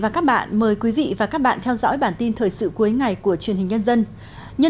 các bạn hãy đăng ký kênh để ủng hộ kênh của chúng mình nhé